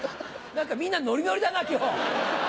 みんなノリノリだな今日。